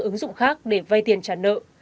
các ứng dụng khác để vay tiền trả nợ